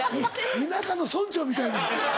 田舎の村長みたいな。